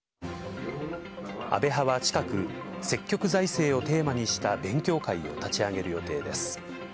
安倍派は近く、積極財政をテーマにした勉強会を立ち上げる予定です。